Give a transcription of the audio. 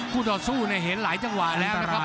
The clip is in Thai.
คู่ต่อสู้เนี่ยเห็นหลายจังหวะแล้วนะครับ